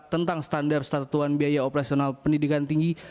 tentang standar satuan biaya operasional pendidikan tinggi